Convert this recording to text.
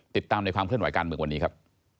ติดตามในความเคลื่อนไหวการเมืองวันนี้ครับ